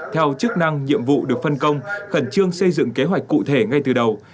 theo chức năng nhiệm vụ được phân công khẩn trương xây dựng kế hoạch cụ thể ngay từ đầu